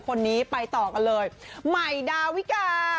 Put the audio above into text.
คนนี้ไปต่อกันเลยใหม่ดาวิกา